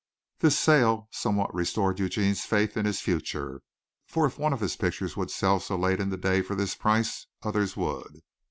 This sale somewhat restored Eugene's faith in his future, for if one of his pictures would sell so late in the day for this price, others would.